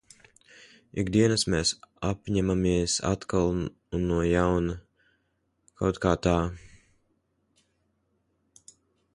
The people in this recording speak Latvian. Ik dienas mēs apņemamies atkal un no jauna. Kaut kā tā.